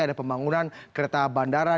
ada pembangunan kereta bandara